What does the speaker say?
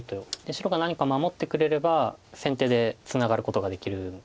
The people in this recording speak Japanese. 白が何か守ってくれれば先手でツナがることができるので中央。